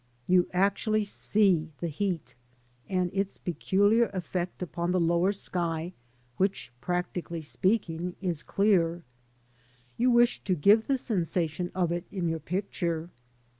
You actually see the heat, and its peculiar effect upon the lower sky, which, practically speaking, is clear. You wish to give the sensation of it in your picture.